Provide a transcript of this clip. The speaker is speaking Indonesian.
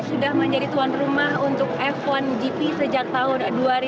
sudah menjadi tuan rumah untuk f satu gp sejak tahun dua ribu dua